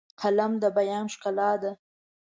قلم د بیان ښکلا ده